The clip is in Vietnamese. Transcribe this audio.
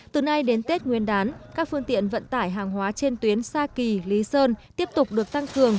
từ nay đến tết nguyên đán các phương tiện vận tải hàng hóa trên tuyến sa kỳ lý sơn tiếp tục được tăng cường